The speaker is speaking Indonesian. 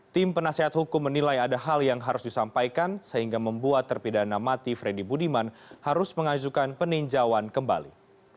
tim penasehat hukum menilai ada hal yang harus disampaikan sehingga membuat terpidana mati freddy budiman harus mengajukan peninjauan kembali